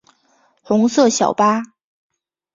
红色小巴